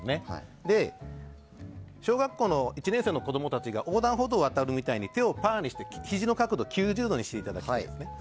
小学校１年生の子供たちが横断歩道を渡るみたいに手をパーにして、ひじの角度を９０度にしてください。